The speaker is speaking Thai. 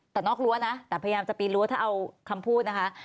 แต่นอกรั้วนะแต่พยายามจะปีนรั้วถ้าเอาคำพูดนะคะ